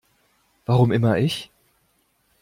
Warum immer ich?